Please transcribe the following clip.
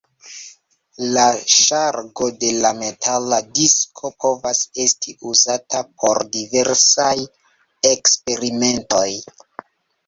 La ŝargo de la metala disko povas esti uzata por diversaj eksperimentoj.